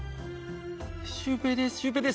「シュウペイでーす。